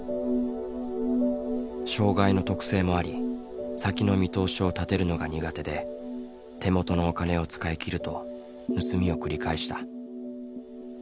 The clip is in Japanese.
障害の特性もあり先の見通しを立てるのが苦手で手元のお金を使い切ると盗みを繰り返した。